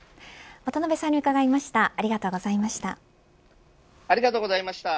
渡辺さんに伺いました。